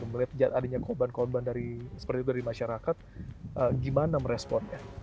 melihat adanya korban korban dari seperti itu dari masyarakat gimana meresponnya